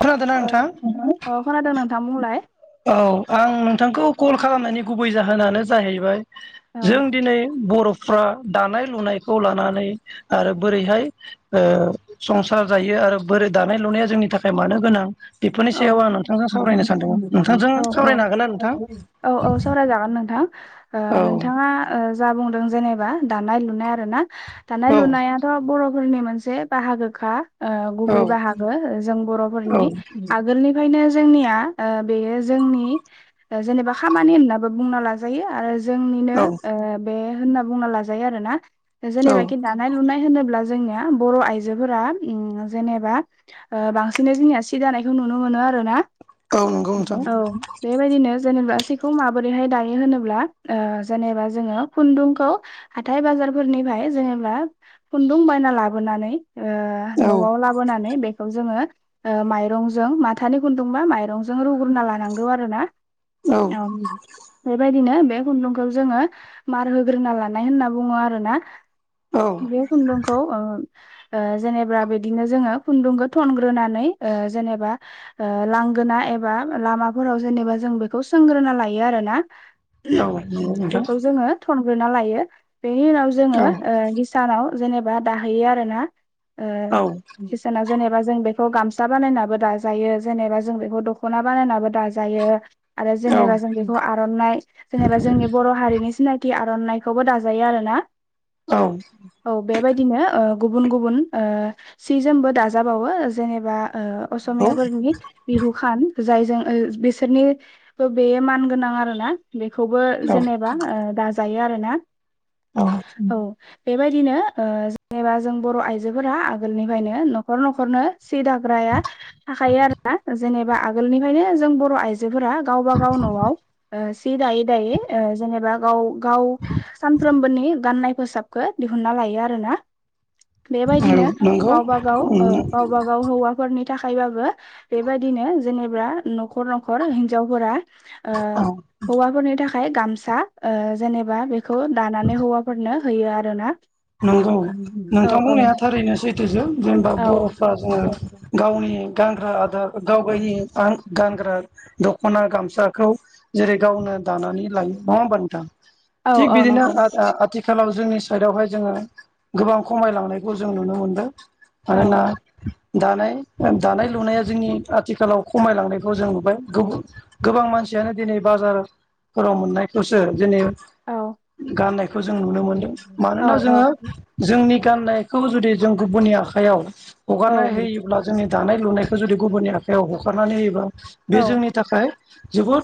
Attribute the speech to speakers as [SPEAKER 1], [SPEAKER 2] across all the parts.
[SPEAKER 1] खोनादोंना नोंथां
[SPEAKER 2] अ खोनादों नोंथां बुंलाय
[SPEAKER 1] औ आं नोंथांखौ कल खालामनायनि गुबै जाहोनानो जाहैबाय
[SPEAKER 2] औ
[SPEAKER 1] जों दिनै बर' फ्रा दानाय लुनायखौ लानानै आरो बोरैहाय संसार जायो? आरो बोरै दानाय लुनाया जोंनि थाखाय मानो गोनां बेफोरनि सायाव आं नोंथांजों सावरायनो सानदोंमोन? नोंथांजों
[SPEAKER 2] औ औ
[SPEAKER 1] सावरायनो हागोन ना
[SPEAKER 2] औ
[SPEAKER 1] नोंथां
[SPEAKER 2] औ औ सावरायजागोन नोंथां।
[SPEAKER 1] औ
[SPEAKER 2] नोंथाङा जा बुंदों जेनेबा दानाय लुनाय आरो ना दानाय
[SPEAKER 1] औ
[SPEAKER 2] लुनायाथ' बर'फोरनि मोनसे बाहागोखा गुबै बाहागो जों बर'फोरनि आगोलनिफ्रायनो जोंनिया बेयो जोंनि जेनेबा खामानि होननाबो बुंना लाजायो आरो जोंनिनो बे होनना बुंना लाजायो आरोना
[SPEAKER 1] औ
[SPEAKER 2] जेनेबाखि दानाय लुनाय होनोब्ला जोंनिया बर' आइजोफोरा जेनेबा बांसिनै सि दानायखौ नुनो मोनो आरोना
[SPEAKER 1] औ नंगौ नोंथां
[SPEAKER 2] औ बेबायदिनो जेनेबा माबोरैहाय दायो होनोब्ला जेनेबा जोङो खुनदुंखौ हाथाय बाजारफोरनि जेनेबा खुनदुं बायना लाबोनानै
[SPEAKER 1] औ
[SPEAKER 2] न'आव लाबोनानै बेखौ जोङो माइ माइरंजों माथानि खुनदुंबा माइरंजों रुग्रोना लानांगौ आरो ना औ बेबायदिनो बे खुनदुंखौ जोङो मार होग्रोना लानाय होनना बुङो आरोना
[SPEAKER 1] औ
[SPEAKER 2] बे खुनदुंखौ ओ जेनेबा बिदिनो जोङो खुनदुंखौ थनग्रोनानै जेनेबा लांगोना एबा लामाफोराव जेनेबा जों बेखौ सोंग्रोना लायो आरोना
[SPEAKER 1] नंगौ नोंथां
[SPEAKER 2] बेखौ जोङो थन ग्रोना लायो बेनि उनाव जोङो
[SPEAKER 1] औ
[SPEAKER 2] हिसानाव जेनेबा दाहैयो आरोना।
[SPEAKER 1] औ
[SPEAKER 2] ओ-हिसानाव जेनेबा जों बेखौ गामसा बानायना। दाजायो जेनेबा जों बेखौ दखना बानायनाबो दाजायो। आरो
[SPEAKER 1] औ
[SPEAKER 2] जेनेबा जों बेखौ आरनाइ जेनेबा जोंनि बर हारिनि सिनायथि आर नायखौबो दाजायो आरोना
[SPEAKER 1] औ
[SPEAKER 2] औ बेबायदिनो। गुबुन गुबुन ओ-सि जोमबो दाजाबावो जेनेबा
[SPEAKER 1] औ
[SPEAKER 2] असमियाफोरनि बिहु खान जायजों बिसोरनिबो बेयो मान गोनां आरोना। बेखौबो जेनेबा ओ-दाजायो आरो ना औ बेबायदिनो ओ-जेनेबा जों बर आइजोफोरा आगोलनिफ्रायनो नखर नखरनो सि दाग्राया। थाखायो आरोना जेनेबा आगोलनिफ्रायनो जों बर आइ। आजोफोरा गावबा गाव ओ-नआव सि दायै दायै ओ जेनेबा गाव। गाव सानफ्रोमबोनि गाननाय फोसाबखौ दिहुन्ना लायो आरो ना।
[SPEAKER 1] औ
[SPEAKER 2] बेबायदिनो
[SPEAKER 1] नंगौ
[SPEAKER 2] गावबा गाव औ
[SPEAKER 1] उम
[SPEAKER 2] गावबा गाव हौवाफोरनि थाखायबाबो। बेबायदिनो जेनेबा नखर नखर हिनजावफोरा।
[SPEAKER 1] औ
[SPEAKER 2] ओ-दौवाफोरनि थाखाय गामसा ओ-जेनेबा बे खौ दानानै हौवाफोरनो होयो आरोना।
[SPEAKER 1] नोंंगौ
[SPEAKER 2] औ
[SPEAKER 1] नोंथां
[SPEAKER 2] औ
[SPEAKER 1] बुंनाया थारैनो सैथोजों जेनेबा
[SPEAKER 2] औ
[SPEAKER 1] बरफ्रा जोङो गावनि। गानग्रा आदार गाव गायनि गानग्रा दखना गामसाखौ जेरै गावनो। दानानै लायो नंगा होना नोंथां
[SPEAKER 2] औ
[SPEAKER 1] थिख
[SPEAKER 2] औ
[SPEAKER 1] बिदिनो
[SPEAKER 2] नंगौ
[SPEAKER 1] अ-अ आथिखालाव। जोंनि साइडआवहाय जोङो गोबां खमायलांनायखौ जों नुनो मोनदों
[SPEAKER 2] औ
[SPEAKER 1] मानोना।
[SPEAKER 2] औ
[SPEAKER 1] दानाय दानाय लुनाया जोंनि आथिखालाव खमायलांनायखौ जों नुबाय गोबां गोबां मानसि। यानो दिनै बाजारफोराव मोननायखौसो दिनै।
[SPEAKER 2] औ
[SPEAKER 1] गाननायखौ जों नुनो मोनदों
[SPEAKER 2] औ
[SPEAKER 1] मानोना जोङो जोंनि। गाननायखौ जुदि जों गुबुननि आखाइायाव
[SPEAKER 2] औ
[SPEAKER 1] हगारनाय होयोब्ला जोंनि दानाय लुनाय जुदि गुबुननि आखाइायाव हखारनानै होयोबा बे जोंनि थाखाय। जोबोद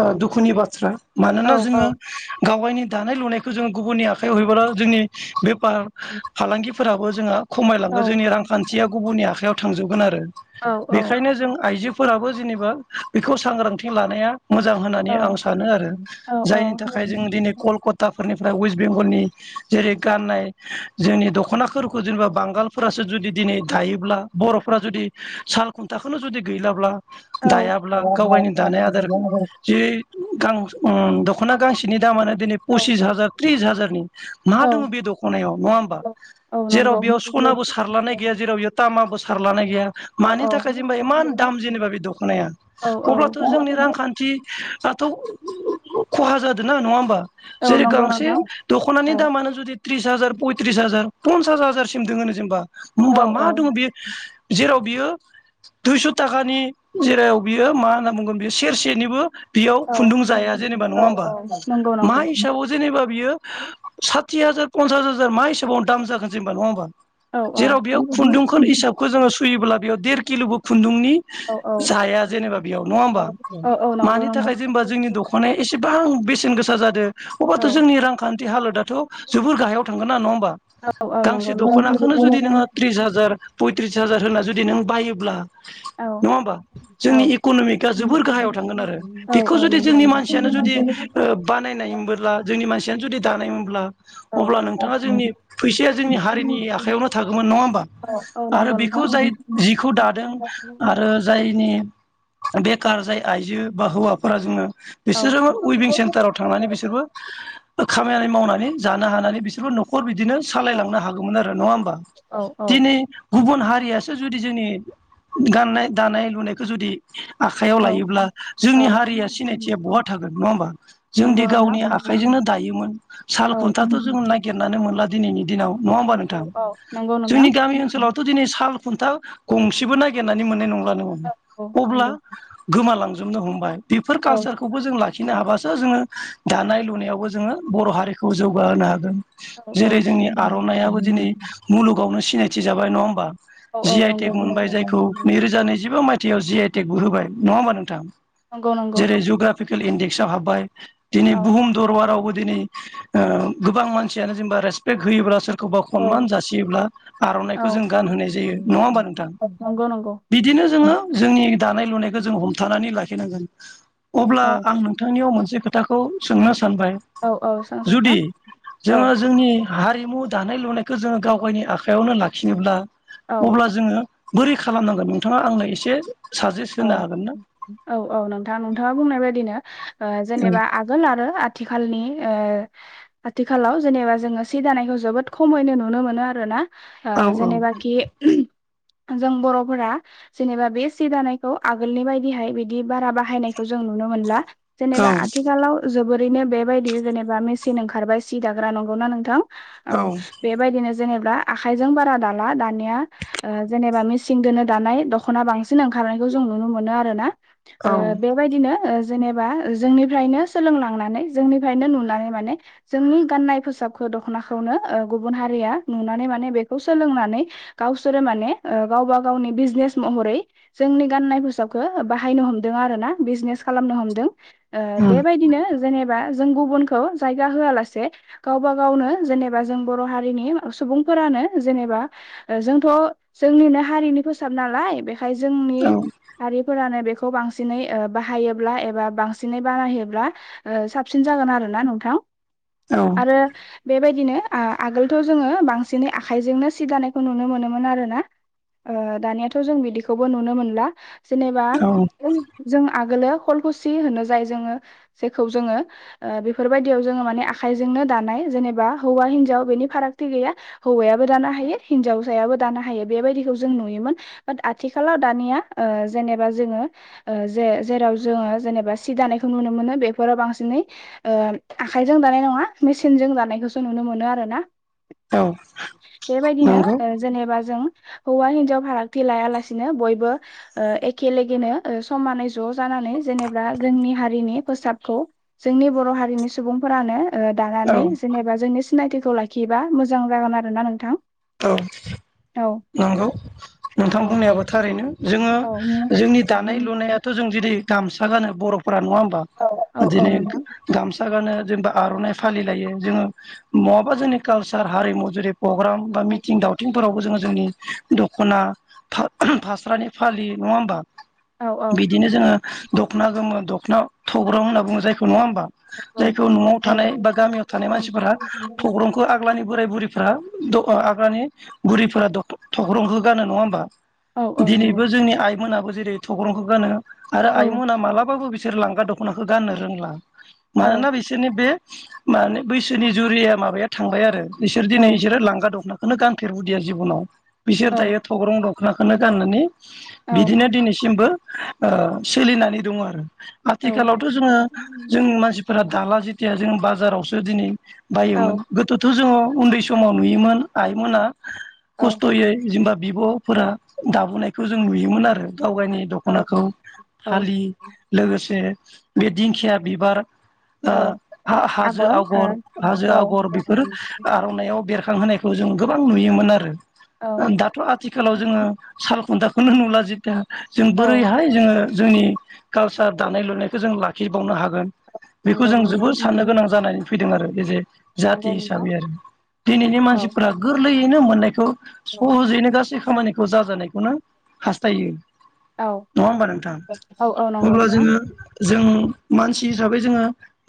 [SPEAKER 1] ओ-दुखुनि बाथ्रा मानोना जोङो गाव गायनि। दानाय लुनायखौ जोंङो गुबुननि आखाइायाव हैबोला जोंनि बेफार फालांगिफोराबो जोंहा।
[SPEAKER 2] औ
[SPEAKER 1] खमायलांगोन जोंनि रांखान्थिया गुबुननि आखायाव थांजोबगोन आरो। बेखायनो जों आइजोफोराबो जेनेबा बेखौ सांग्रांथि लानाया। मोजां होननानै आं सानो आरो जायनि थाखाय जों दिनै कलकाता। फोरनिफ्राय वेस्ट बेंगलनि। जेरै गाननाय जोंनि दखनाफोरखौ जेनेबा बांगालफोरासो जुदि दिनै दायोब्ला बरफो फोरा जुदि साल खुन्थाखौनो जुदि गैलाब्ला। दायाब्ला गाव गायनि दानाय आदारखौ जे गां ओम दखना गांसेनि दामानो दिनै फसिस हाजार त्रिस हाजारनि। मा
[SPEAKER 2] औ
[SPEAKER 1] दङ बे दखनायाव नङा हबा
[SPEAKER 2] औ
[SPEAKER 1] जेराव
[SPEAKER 2] नंगौ
[SPEAKER 1] बेयाव सनाबो सारलानाय गैया जेराव बेयाव तामाबो सारला गैया
[SPEAKER 2] औ
[SPEAKER 1] मनि
[SPEAKER 2] औ
[SPEAKER 1] थाखाय इमान दाम जेनेबा बे दखनाया
[SPEAKER 2] औ
[SPEAKER 1] अब्लाथ
[SPEAKER 2] औ
[SPEAKER 1] जोंनि रांखथि। थ खहा जादों ना नङा होमबा
[SPEAKER 2] औ
[SPEAKER 1] जेरै
[SPEAKER 2] नंगौ
[SPEAKER 1] गांसे
[SPEAKER 2] नोंथां
[SPEAKER 1] दखनानि।
[SPEAKER 2] औ
[SPEAKER 1] दामानो जुदि त्रिस हाजार पयथ्रिस हाजार पन्सास हाजारसिम दङो जेनेबा।
[SPEAKER 2] औ
[SPEAKER 1] होनबा
[SPEAKER 2] औ
[SPEAKER 1] मा दङ बे जेराव बियो दुइस थाखानि जेराव बियो मा होनना बुंगोन बियो सेरसेनिबो। बेयाव
[SPEAKER 2] औ
[SPEAKER 1] खुन्दु जाया जेनेबा नङा होमबा
[SPEAKER 2] नंगौ
[SPEAKER 1] मा
[SPEAKER 2] नंगौ
[SPEAKER 1] हिसाबाव जेनेबा बियो। साथि हाजार पन्सास हाजार मा हसेाबाव दाम जागोन जेनबा नङा होनोमा।
[SPEAKER 2] औ औ
[SPEAKER 1] जेराव बेयाव खुन्दुंखौ हिसाबखौ जोङो सुयोब्ला बेयाव देर किलबो खुन्दुंनि
[SPEAKER 2] औ औ
[SPEAKER 1] ना जाया जेनेबा बेयाव नङा होमबा
[SPEAKER 2] औ औ नंगौ
[SPEAKER 1] मानि
[SPEAKER 2] नंगौ
[SPEAKER 1] थाखाय जेनेबा जोंनि दखनाया एसेबां। बेसेन गोसा जादों
[SPEAKER 2] औ
[SPEAKER 1] अब्लााथ जोंनि रांखान्थि हालोदा। थ जोबोर गाहायाव थांगोन ना नङा होमबा
[SPEAKER 2] औ औ नंगौ
[SPEAKER 1] गांसे
[SPEAKER 2] नोंथां
[SPEAKER 1] दखनाखौनो जुदि नोङो त्रिस हाजार। पयथ्रिस हाजार होना जुदि नों बायोब्ला।
[SPEAKER 2] औ
[SPEAKER 1] नङा होमबा
[SPEAKER 2] औ
[SPEAKER 1] जोंनि इकनमिकआ जोबोर गाहायाव थांगोन आरो
[SPEAKER 2] औ
[SPEAKER 1] बेखौ
[SPEAKER 2] औ
[SPEAKER 1] जुदि
[SPEAKER 2] नंगौ
[SPEAKER 1] जोंनि
[SPEAKER 2] नोंथां
[SPEAKER 1] मानसियानो जुदि बानायनायबोब्ला जोंनि मानसियानो जुदि दानायोमब्ला
[SPEAKER 2] औ
[SPEAKER 1] अब्ला नोंथाङा जोंनि फैसाया जोंनि हारिनि आखायावनो थागौमोन नङा होमबा।
[SPEAKER 2] औ औ
[SPEAKER 1] आरो
[SPEAKER 2] नंगौ नोंथां
[SPEAKER 1] बेखौ जाय जिखौ दादों आरो जायनि बेखार जाय आइजो बा हौवाफोरा जोङो।
[SPEAKER 2] औ
[SPEAKER 1] बिसोरजोंबो उइभिं सेन्टाराव थांनानै बिसोरबो खामानि मावनानै जनो हानानै बिसोर नखरबिदिनो
[SPEAKER 2] औ
[SPEAKER 1] सालायांनो हागौ आरो नङा हबा
[SPEAKER 2] औ
[SPEAKER 1] दिनै गुबुन हारियासो जुदि जोंनि गाननाय दानाय लुनायखौ जुदि आखायाव
[SPEAKER 2] औ
[SPEAKER 1] लायोब्ला
[SPEAKER 2] औ
[SPEAKER 1] जोंनि हारिया सिनायथिया बहा थागोन नङा होमबा जोंदि
[SPEAKER 2] नंगौ नोंथां
[SPEAKER 1] गावनि आखाइ आखाइजोंनो दायोमोन साल
[SPEAKER 2] औ
[SPEAKER 1] खुन्थाथ' जों नागिरनानै मोनला दिनैनि दिनाव नङा होमबा
[SPEAKER 2] औ
[SPEAKER 1] नोंथां
[SPEAKER 2] औ नंगौ नोंथां
[SPEAKER 1] जोंनि गामि ओनसोलावथ' दिनै साल खुन्था गंसेबो नागिरनानै मोननाय नंला नोङो
[SPEAKER 2] औ औ
[SPEAKER 1] अब्ला
[SPEAKER 2] नंगौ
[SPEAKER 1] गोमालांजो नो हमबाय बेफोर
[SPEAKER 2] औ
[SPEAKER 1] कालसारखौबो जों ला खिनो हाबासो जोङो दानाय-लुनायावबो जोङो बर' हारिखौ जौगाहोनो हागोन।
[SPEAKER 2] औ औ
[SPEAKER 1] जेरै जोंनि आर'ननाबो दिनै मुलुगावनो सिनायथि जाबाय नङा होमबा?
[SPEAKER 2] औ
[SPEAKER 1] जि
[SPEAKER 2] नंगौ
[SPEAKER 1] आइटेक मोनबाय जायखौ
[SPEAKER 2] नंगौ
[SPEAKER 1] नैरोजा नैजिबा मायथाइयाव जि आइटेकबो होबाय नङा होमबा नोंथां।
[SPEAKER 2] नंगौ नंगौ।
[SPEAKER 1] जेरै जुग्राफिकेल इन्डेक्सआव हाबबाय दिनै
[SPEAKER 2] औ
[SPEAKER 1] बुहुम दरबारावबो दिनै ओ गोबां मानसियानो जेनेबा रेसपेक्ट होयोब्ला सोर खौबा खनमान
[SPEAKER 2] औ
[SPEAKER 1] जासियोब्ला आर'नाइखौ जों
[SPEAKER 2] औ
[SPEAKER 1] गानहोनाय जायो नङा होमबा नोंथां
[SPEAKER 2] नंगौ नंगौ
[SPEAKER 1] बिदिनो जोङो
[SPEAKER 2] औ
[SPEAKER 1] जोंनि दानाय-लुनायखौ जों हमथानानै लाखिनांगोन अब्ला
[SPEAKER 2] औ
[SPEAKER 1] आं नोंथांनियाव मोनसे खोथाखौ सोंनो सानबाय
[SPEAKER 2] औ औ सों
[SPEAKER 1] जुदि जोङो जोंनि हारि मु दानाय-लुनायखौ जोङो गावगायनि आखायावनो लाखिनोब्ला
[SPEAKER 2] औ
[SPEAKER 1] अब्ला जोङो बोरै खालामनांगोन नोंथाङा आंनो एसे साजेस्ट
[SPEAKER 2] औ
[SPEAKER 1] होनो हागोन ना?
[SPEAKER 2] औ औ नोंथां नोंथाङा बुंनाय बायदिनो ओ
[SPEAKER 1] औ
[SPEAKER 2] जेनेबा आगोल आरो आथिखालनि ओ आथिखालाव जेनेबा जोङो सि दानायखौ जोबोद खमैनो नुनो मोनो आरो ना। ओ
[SPEAKER 1] औ
[SPEAKER 2] जेनेबााखि जों बर'फोरा जेनेबा बे सि दानाय खौ आोलनि बायदिहाय बि बारा बाहायनायखौ जों नुनो मोनला जेनेबा
[SPEAKER 1] औ
[SPEAKER 2] आथिलाव जोबोद ओरैनो बेबायदि जेनेबा मेसिन ओंखारबाय सि दाग्रा नंगौना नोंथां औ बेबायदिनो। जेनेबा आखायजों बारा दाला दानिया ओ‌ जेनेबा मेसिं दोनो दानाय दख'ना बांसिन ओंखार नायखौ जों नुनो आरोना ओ
[SPEAKER 1] औ
[SPEAKER 2] बेबादिनो जेनेबा जोंनिफ्रायनो सोलोंलांनानै जोंनिफ्रायनो नुनानै माने जोंनि गाननाय फोसाबखौ दखनाखौनो गुबुन हारिया नुनानै मान बेखौ सोलोंनानै गावसोरो माने गाव गावबा गावनिनि बिजनेस महरै। जोंनि गानननाय फोसाबखौ बाहायनो हमदों आरोना बिजनेस खालामनो हमदों। ओ
[SPEAKER 1] उम
[SPEAKER 2] बेबायदिनो जेनेबा बा गुबुनखौ जायगा होआलासे गावबा-गावनो जेनेबा जों बर' हारिनि सुबुं। फोरानो जेनेबा जोंथ' जोंनिनो हारिनि फोसाब नालाय बोय
[SPEAKER 1] औ
[SPEAKER 2] जोंनि आरफोरानो नैबेबेखौ। खौ बांसिनै बाहायोब्ला एबा बांसिनै बानायोबब्ला साबसिन जागोन आरोोना नोंथां।
[SPEAKER 1] औ
[SPEAKER 2] आरो बेबायदि दिनो आगोलथ' जोङो बांसिनै आखाइजोंनो सि दानायखौ नुनो मोनोमोन आरोना। ओ दानियाथ' जों बिदिखौबो नुनो मोनला जेनेबा
[SPEAKER 1] औ
[SPEAKER 2] जों आगोलो खलखुसि होनो जाय जोङो जेखौ जोङो ओ बेफोरबायदियाव जोङो माने आखायजोंनो दानाय जेनेबा हौवा-हिनजाव बेनि फारागथि गैया हौवायाबो दानो हायो हिनजावसायाबो दानो हायो बेबायदि। खौ जों नुयोमोन बाथ आथिख आथिखालाव दानिया ओ जेनेबा जोङो ओ जे जेराव जोङो जेनेबा सि दानायखौ नुनो मोनो। मोनो बेफोराव बांसिनै ओ आखाइजों दानाय नङा मेसिनजों दानायखौसो नुनो मोनो आरोना
[SPEAKER 1] औ
[SPEAKER 2] बेबायदिनो
[SPEAKER 1] नंगौ
[SPEAKER 2] ओ जेनेबा जों हौवा हिन्जाव फारागथि लायालासे नो बयबो ओ एखेलेगेनो समानै ज' जानानै जेनेबा जोंनि हारिनि फोसाबखौ जोंनि बर' हारिनि सुबुंफोरानो ओ
[SPEAKER 1] औ
[SPEAKER 2] दानानै जेनेबा जोंनि सिनायथिखौ लाखियोबा मोजां जागोन आरो ना नोंथां
[SPEAKER 1] औ
[SPEAKER 2] औ
[SPEAKER 1] नंगौ नोंथां
[SPEAKER 2] औ
[SPEAKER 1] बुंनायाबो थारैनो जोङो
[SPEAKER 2] औ
[SPEAKER 1] जोंनि दानाय लुनायाथ' जों जुदि गामसा गानो बर'फोरा नंङा होमबा
[SPEAKER 2] औ औ औ नोंथां
[SPEAKER 1] गामसा गानो जेनेबा आर'नाइ फालि लायो जोंङो बहाबा जोंनि कालसार हारिमु जुदि प्रग्राम बा मिथिं दावथिंफोरावबो जोंङो जोंनि दख'ना फा-फास्रानि फालि नङा होमबा?
[SPEAKER 2] औ औ
[SPEAKER 1] बिदिनो जोङो दख'ना गोमो दख'ना थग्रं होनना बुङो जायखौ नङा होमबा?
[SPEAKER 2] औ
[SPEAKER 1] जायखौ न'आव
[SPEAKER 2] औ
[SPEAKER 1] थानाय
[SPEAKER 2] नंगौ
[SPEAKER 1] बा गामियाव थानाय मानसिफोरा थग्रंखौ आग्लानि बोराय-बुरैफोरा द' आग्रानि बुरिफोरा द' थख्रंखौ गानो नंङा होमबा?
[SPEAKER 2] औ औ
[SPEAKER 1] दिनैबो जोंनि आइमोनाबो जेरै थग्रंखौ गानो आरो
[SPEAKER 2] औ
[SPEAKER 1] आइमोना मालाबाबो बि सोर लांगा दख'नाखौ गाननो रोंला मानोना बिसोरनि बे माने बैसोनि जुरिया माबाया थांबाय आरो बिसोर दिनै
[SPEAKER 2] औ
[SPEAKER 1] इसोरो लांगा दंख' नाखौनो गानफेरबोदिया जिबनाव बिसोर दायो थग्रं दख'नाखौनो गाननानै बिदिनो दिनैसिमबो ओ सोलिनानै दङ आरो। आथिखालावथ' जोङो जोंनि मानसिफोरा दाला जेथिया जोङो बाजारावसो दिनै बायोमोन गोदोथ' जोङो उन्दै समाव नुयोमोन आइमोना खस्थ'यै जेनबा बिब' फोरा दाबोनायखौ जों नुयोमोन आरो। गावगायनाय
[SPEAKER 2] औ
[SPEAKER 1] दख'नाखौ
[SPEAKER 2] औ
[SPEAKER 1] फालियो लोगोसे बे दिंखिया बिबार ओ
[SPEAKER 2] औ
[SPEAKER 1] हा-हाजो आगर हाजो
[SPEAKER 2] ओ
[SPEAKER 1] आगर बेफोरो आर'नायाव बेरखां होनायखौ जों गोबां नुयोमोन आरो
[SPEAKER 2] औ
[SPEAKER 1] ओं दाथ' आथिखालाव जोङो साल खुन्था खौनो नुला जेहेतु जों
[SPEAKER 2] औ
[SPEAKER 1] बोरैहाय जोङो जोंनि कालसार दानाय-लुनायखौ जों लाखिबावनो हा गोन बेखौ
[SPEAKER 2] नंगौ
[SPEAKER 1] जों
[SPEAKER 2] नंगौ
[SPEAKER 1] जोबोद साननो गोनां जानानै फैदों आरो एज ए जाथि
[SPEAKER 2] नंगौ नोंथां
[SPEAKER 1] हिसाबै आरो। दिनैनि
[SPEAKER 2] औ
[SPEAKER 1] मानसि गोरलैयैनो मोननायखौ
[SPEAKER 2] औ
[SPEAKER 1] सह'जैनो गासै खामानिखौ जाजानायखौनो हास्थायो। नंङा होमबा नोंथां
[SPEAKER 2] औ औ नंगौ
[SPEAKER 1] अब्ला
[SPEAKER 2] नोंथां
[SPEAKER 1] जोङो जों मानसि हिसाबै जोङो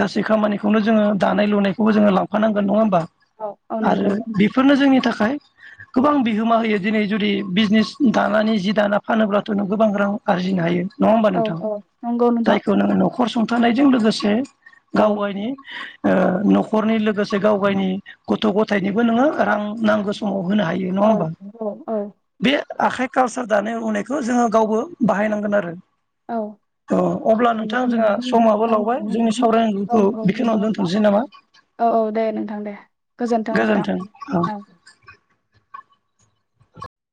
[SPEAKER 1] गासै खामानिखौनो जोङो दानाय-लुनायखौबो जोङो लांफानांगोन नङा होमबा?
[SPEAKER 2] औ औ नंगौ।
[SPEAKER 1] आरो बेफोरनो जोंनि थाखाय गोबां बिहोमा होयो दिनै जुदि बिजनेस दानानै जि दाना फानोब्लाथ' नों गोबां रां आरजिनो हायो। नंङा होमबा
[SPEAKER 2] औ
[SPEAKER 1] नोंथां
[SPEAKER 2] औ नंगौ नोंथां
[SPEAKER 1] जायखौ नोङो न खर संथानायजों लोगोसे
[SPEAKER 2] औ
[SPEAKER 1] गावगायनि ओ न'खरनि लोगोसे गावगायनि गथ'-गथायनिबो नोङो रां नांगौ समाव होनो हायो नंङा
[SPEAKER 2] औ
[SPEAKER 1] होमबा
[SPEAKER 2] औ
[SPEAKER 1] बे आखाइ कालसार दानाय लुनायखौ जोङो गावबो बाहायनांगोन आरो।
[SPEAKER 2] औ। औ
[SPEAKER 1] अ अब्ला
[SPEAKER 2] औ औ औ
[SPEAKER 1] नोंथां जोंहा समाबो लावबाय
[SPEAKER 2] नंगौ
[SPEAKER 1] जोंनि सावरायनांगौखौ बेखिनियावनो
[SPEAKER 2] नोंथां
[SPEAKER 1] दोनथ'नोसै नामा
[SPEAKER 2] औ औ दे नोंथां दे गोजोन्थों नोंथां औ।